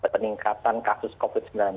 peningkatan kasus covid sembilan belas